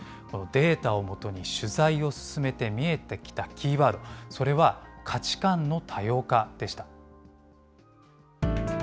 このデータを基に取材を進めて見えてきたキーワード、それは価値観の多様化でした。